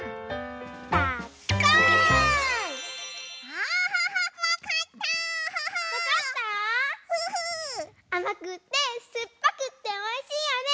あまくってすっぱくっておいしいよね！